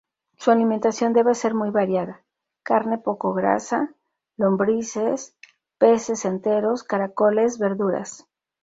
Su alimentación debe ser muy variada: carne poco grasa, lombrices, peces enteros, caracoles, verduras...